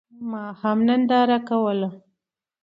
ما هم ننداره کوله.